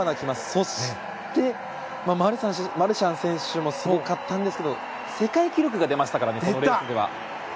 そして、マルシャン選手もすごかったんですが世界記録が出ましたからねこのレースでは。